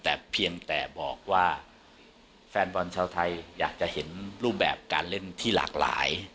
แต่เพียงแต่บอกว่าแฟนบอลชาวไทยอยากจะเห็นรูปแบบการเล่นที่หลากหลาย